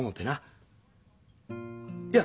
いや。